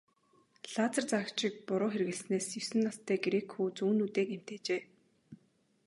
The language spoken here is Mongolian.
Лазер заагчийг буруу хэрэглэснээс есөн настай грек хүү зүүн нүдээ гэмтээжээ.